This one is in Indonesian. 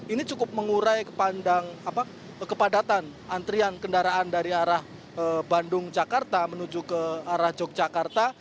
ini cukup mengurai kepadatan antrian kendaraan dari arah bandung jakarta menuju ke arah yogyakarta